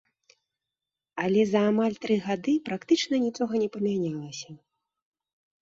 Але за амаль тры гады практычна нічога не памянялася.